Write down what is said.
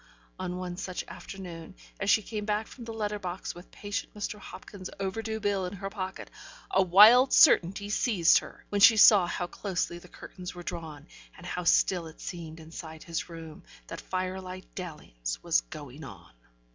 On one such afternoon, as she came back from the letter box with patient Mr. Hopkins's overdue bill in her pocket, a wild certainty seized her, when she saw how closely the curtains were drawn, and how still it seemed inside his room, that firelight dalliance was going on.